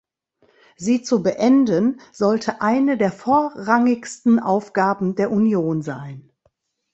Sie zu beenden, sollte eine der vorrangigsten Aufgaben der Union sein.